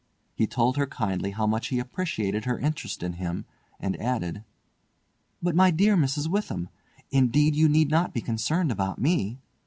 He told her kindly how much he appreciated her interest in him, and added: "But, my dear Mrs. Witham, indeed you need not be concerned about me!